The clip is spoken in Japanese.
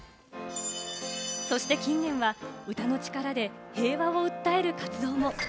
そして近年は歌の力で平和を訴える活動も。